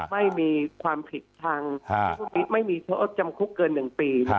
ไม่มีความผิดทางไม่มีโทษจำคุกเกิน๑ปี